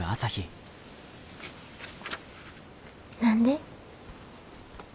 何で？